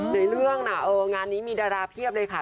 ในเรื่องน่ะงานนี้มีดาราเพียบเลยค่ะ